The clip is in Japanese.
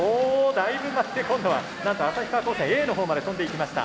だいぶ舞って今度はなんと旭川高専Ａのほうまで飛んでいきました。